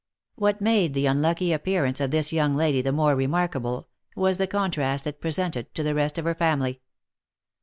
What made the unlucky appearance of this young lady the more remarkable, was the contrast it presented to the rest of her family.